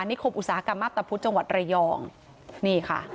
นี่ควบอุตสาหกรรมอัพตะพุทธ์จังหวัดเรยองนี่ค่ะ